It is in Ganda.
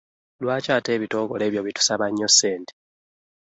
Lwaki ate ebitongole ebyo bitusaba nnyo ssente.